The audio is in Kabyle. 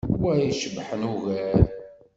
Wa i icebḥen ugar.